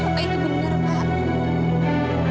apa itu benar pak